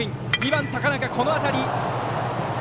２番、高中のこの当たり。